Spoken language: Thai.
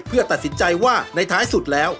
เพื่อตัดสินใจว่าในท้ายสุดแล้ว